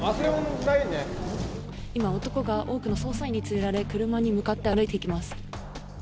今、男が多くの捜査員に連れられ、車に向かって歩いていきます。